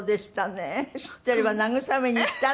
知ってれば慰めに行ったのに。